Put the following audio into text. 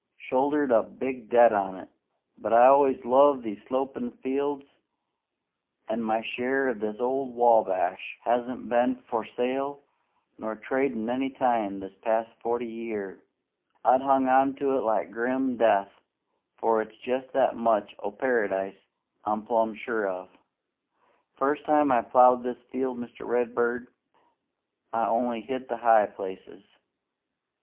Shouldered a big debt on it; but I always loved these slopin' fields, an' my share of this old Wabash hasn't been for sale nor tradin' any time this past forty year. I've hung on to it like grim death, for it's jest that much o' Paradise I'm plumb sure of. First time I plowed this field, Mr. Redbird, I only hit the high places.